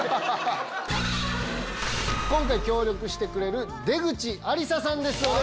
今回協力してくれる出口亜梨沙さんです。